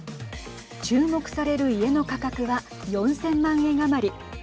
注目される家の価格は４０００万円余り。